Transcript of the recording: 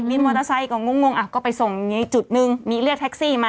มีมอเตอร์ไซค์ก็งงอ่ะก็ไปส่งจุดนึงมีเรียกแท็กซี่มา